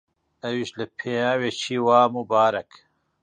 ئەویش لە پیاوێکی وا ممبارەک؟!